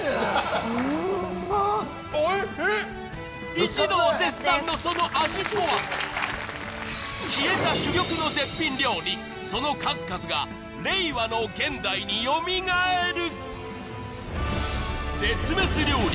一同絶賛のその味とは消えた珠玉の絶品料理その数々が令和の現代によみがえる